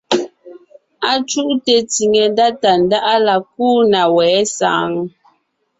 Acuʼte tsìŋe ndá Tàndáʼa la kúu na wɛ̌ saŋ ?